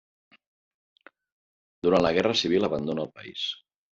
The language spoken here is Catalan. Durant la guerra civil abandona el país.